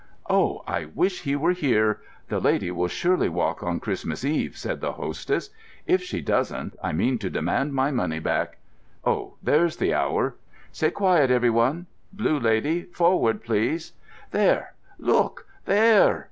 "Oh, I wish he were here—the Lady will surely walk on Christmas Eve," said the hostess. "If she doesn't, I mean to demand my money back! Oh, there's the hour! Sit quiet, every one.... Blue Lady forward, please! There, look!—there!"